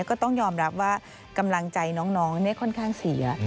ก็ต้องยอมรับว่ากำลังใจน้องค่อนข้างเสีย